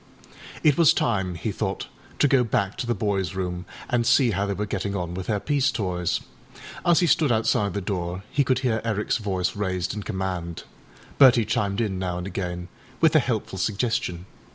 It was time, he thought, to go back to the boysâ room, and see how they were getting on with their peace toys. As he stood outside the door he could hear Ericâs voice raised in command; Bertie chimed in now and again with a helpful suggestion.